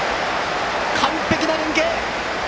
完璧な連係！